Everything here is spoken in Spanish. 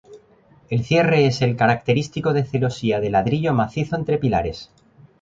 El cierre es el característico de celosía de ladrillo macizo entre pilares.